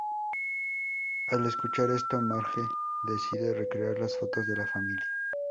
Al escuchar esto Marge decide recrear las fotos de la familia.